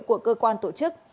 của cơ quan tổ chức